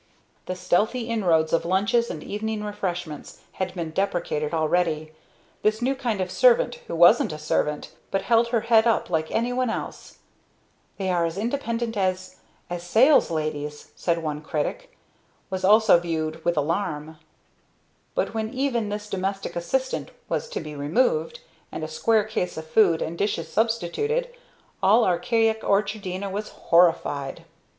The stealthy inroads of lunches and evening refreshments had been deprecated already; this new kind of servant who wasn't a servant, but held her head up like anyone else ("They are as independent as as 'salesladies,'" said one critic), was also viewed with alarm; but when even this domestic assistant was to be removed, and a square case of food and dishes substituted, all Archaic Orchardina was horrified.